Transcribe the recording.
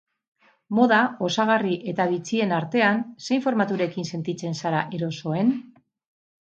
Moda, osagarri eta bitxien artean, zein formaturekin sentitzen zara erosoen?